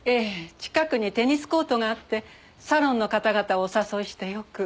近くにテニスコートがあってサロンの方々をお誘いしてよく。